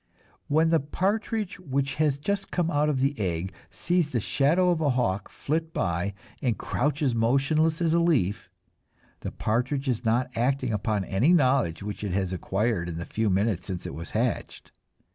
When the partridge which has just come out of the egg sees the shadow of the hawk flit by and crouches motionless as a leaf, the partridge is not acting upon any knowledge which it has acquired in the few minutes since it was hatched.